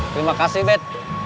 terima kasih bet